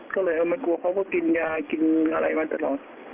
ก็เลยเราใหม่กลัวเขาก็กินยามาตลอด